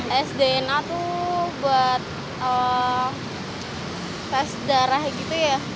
tes dna tuh buat tes darah gitu ya